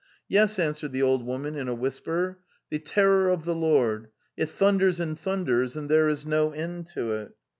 Yes," answered the old woman in a whisper. "The terror of the Lord! It thunders and thun ders, and there is no end to it."